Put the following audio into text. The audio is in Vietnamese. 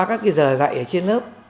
các giờ dạy ở trên lớp